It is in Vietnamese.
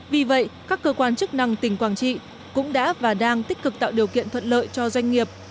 vì vậy các cơ quan chức năng tỉnh quảng trị cũng đã và đang tích cực tạo điều kiện thuận lợi cho doanh nghiệp